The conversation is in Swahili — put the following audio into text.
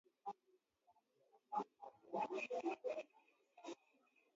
Jirani yangu anapenda kunywa pombe